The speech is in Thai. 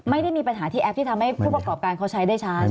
ไม่ได้มีปัญหาที่แอปที่ทำให้ผู้ประกอบการเขาใช้ได้ชัด